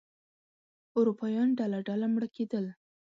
اروپایان ډله ډله مړه کېدل.